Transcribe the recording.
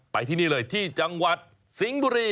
ไปที่นี่เลยที่จังหวัดสิงห์บุรี